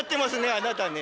あなたね。